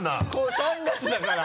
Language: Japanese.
３月だから！